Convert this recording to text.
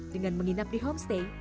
dengan menginap di homestay